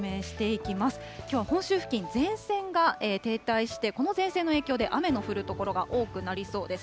きょうは本州付近、前線が停滞して、この前線の影響で、雨の降る所が多くなりそうです。